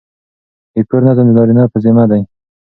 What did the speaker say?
د کور نظم د نارینه په ذمه دی.